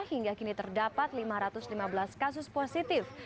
hingga kini terdapat lima ratus lima belas kasus positif